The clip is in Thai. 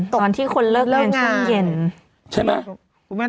พอหลังการที่คนเลิกงานช่างเย็น